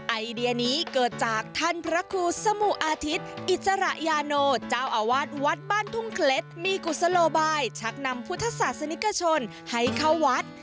ไอเดียนี้เกิดจากท่านพระครูสมุอาทิตย์อิสระยาโนเจ้าอาวาสวัดบ้านทุ่งเคล็ดมีกุศโลบายชักนำพุทธศาสนิกชนให้เข้าวัด